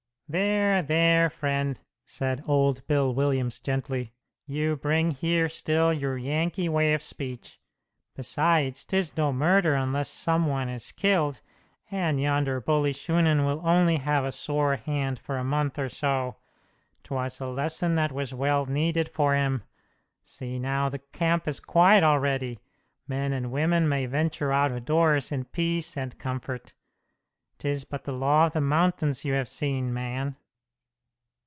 "There, there, friend," said old Bill Williams, gently, "you bring here still your Yankee way of speech. Besides, 'tis no murder unless some one is killed, and yonder bully Shunan will only have a sore hand for a month or so. 'Twas a lesson that was well needed for him. See now, the camp is quiet already. Men and women may venture out of doors in peace and comfort. 'Tis but the law of the mountains you have seen, man."